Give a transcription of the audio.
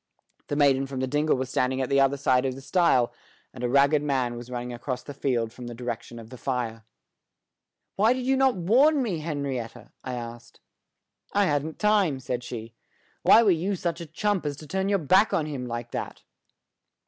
The maiden from the dingle was standing at the other side of the stile, and a ragged man was running across the field from the direction of the fire. "Why did you not warn me, Henrietta?" I asked. "I hadn't time," said she. "Why were you such a chump as to turn your back on him like that?"